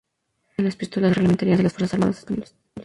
Es una de las pistolas reglamentarias de las Fuerzas Armadas Españolas.